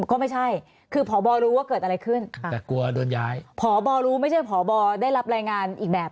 ก็ไม่ใช่คือพบรู้ว่าเกิดอะไรขึ้นแต่กลัวโดนย้ายพบรู้ไม่ใช่พบได้รับรายงานอีกแบบ